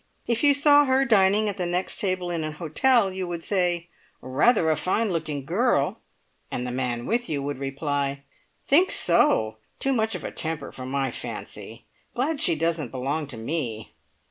If you saw her dining at the next table in an hotel you would say, "Rather a fine looking girl!" And the man with you would reply, "Think so! Too much of a temper for my fancy. Glad she don't belong to me."